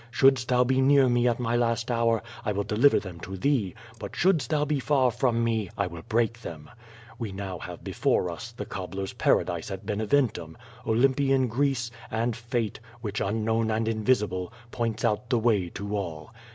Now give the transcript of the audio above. Shouldst thou be near me at my last hour, I will deliver them to thee, but shouldst thou be far from me, I will break them. We now have before us, the cobbler's paradise at Beneventum,. Olym pian Greece, and Fate, which, unknown and invisible, points out the way to all.